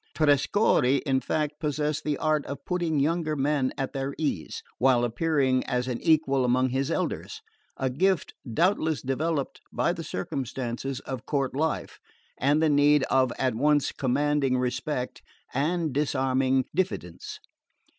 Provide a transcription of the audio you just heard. Trescorre in fact possessed the art of putting younger men at their ease, while appearing as an equal among his elders: a gift doubtless developed by the circumstances of court life, and the need of at once commanding respect and disarming diffidence.